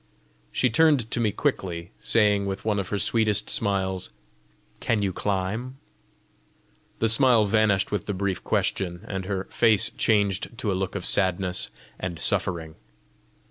She turned to me quickly, saying with one of her sweetest smiles, "Can you climb?" The smile vanished with the brief question, and her face changed to a look of sadness and suffering.